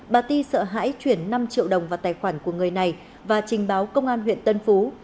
bà t sợ hãi chuyển năm triệu đồng vào tài khoản của người này và trình báo công an huyện tân phú